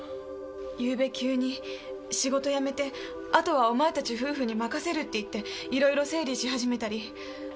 昨夜急に仕事辞めて後はお前たち夫婦に任せるって言っていろいろ整理し始めたり。